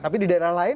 tapi di daerah lain